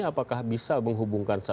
apakah bisa menghubungkan